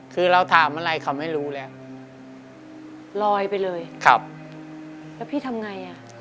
คือเราถามอะไรเขาไม่รู้แล้วลอยไปเลยครับแล้วพี่ทำไงอ่ะ